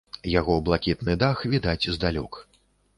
Яго блакітны дах відаць здалёк.